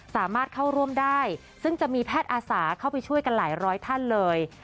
สามารถเข้าร่วมได้ซึ่งจะมีแพทย์อาสาเข้าไปช่วยกันหลายร้อยท่านเลย